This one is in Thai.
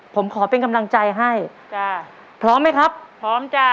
ผมขอเป็นกำลังใจให้จ้ะพร้อมไหมครับพร้อมจ้ะ